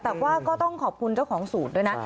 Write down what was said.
แต่ว่าก็ต้องขอบคุณเจ้าของสูตรด้วยนะ